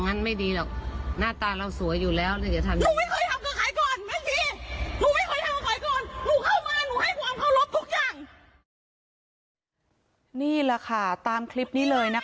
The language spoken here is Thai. นี่แหละค่ะตามคลิปนี้เลยนะคะ